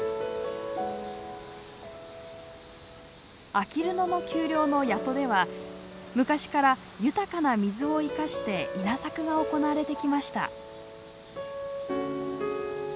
あきる野の丘陵の谷戸では昔から豊かな水を生かして稲作が行われてきました。